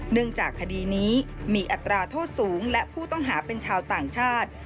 เนื่องจากคดีนี้มีอัตราโทษสูงและผู้ต้องหาเป็นชาวต่างชาติ